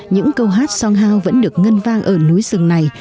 những câu hát song hào vẫn được ngân vang ở núi sừng này